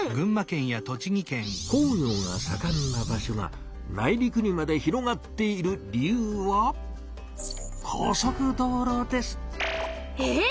工業がさかんな場所が内陸にまで広がっている理由はえっ